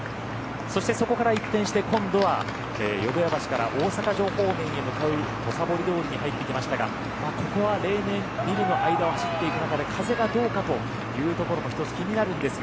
そしてそこから一転して、今度は淀屋橋から大阪城方面へと向かう土佐堀通に入ってきましたがここは例年ビルの間を走っていく中で風がどうかというところも１つ、気になるんですが。